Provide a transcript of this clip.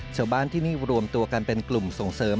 ชาวบ้านที่นี่รวมตัวกันเป็นกลุ่มส่งเสริม